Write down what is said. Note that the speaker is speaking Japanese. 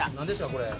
これ。